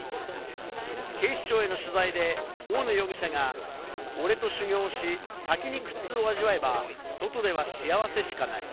警視庁への取材で大野容疑者が、俺と修行をし、先に苦痛を味わえば、外では幸せしかない。